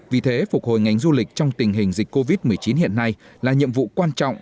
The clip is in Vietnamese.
vì thế phục hồi ngành du lịch trong tình hình dịch covid một mươi chín hiện nay là nhiệm vụ quan trọng